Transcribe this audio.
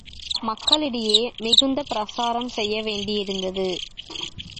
மக்களிடையே மிகுந்த பிரசாரம் செய்யவேண்டியிருந்தது.